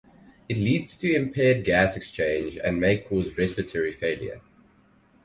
It leads to impaired gas exchange and may cause respiratory failure.